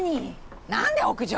何で屋上？